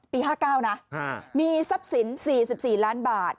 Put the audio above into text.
๕๙นะมีทรัพย์สิน๔๔ล้านบาท